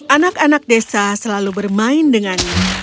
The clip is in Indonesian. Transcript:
anak anak desa selalu bermain dengan dia